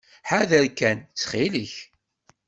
Ḥader kan, ttxil-k.